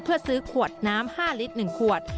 เพื่อซื้อขวดน้ำ๕ลิตร๑ขวด